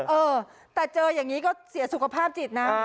เออแต่เจออย่างนี้ก็เสียสุขภาพจิตนะ